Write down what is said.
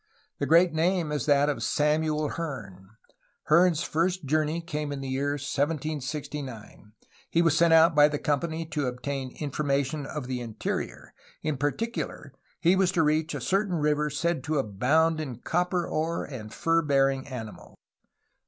The great name is that of Samuel Heame. Hearne's first journey came in the year 1769. He was sent out by the company to obtain informa tion of the interior; in particular he was to reach a certain river said to abound in copper ore and fur bearing animals.